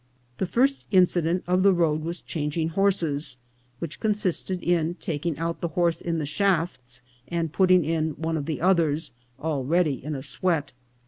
The first incident of the road was changing horses, which consisted in taking out the horse in the shafts and putting in one of the others, already in a sweat.